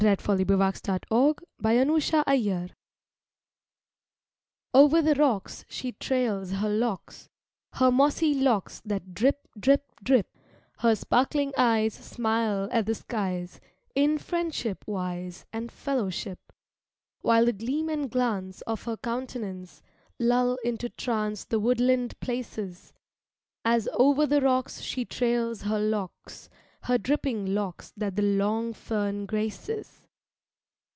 THE SPIRIT OF THE FOREST SPRING Over the rocks she trails her locks, Her mossy locks that drip, drip, drip; Her sparkling eyes smile at the skies In friendship wise and fellowship; While the gleam and glance of her countenance Lull into trance the woodland places, As over the rocks she trails her locks, Her dripping locks that the long fern graces.